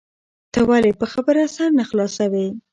ته ولي په خبره سر نه خلاصوې؟